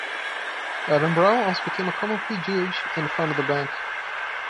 Adam Brown also became a common pleas judge and founded a bank.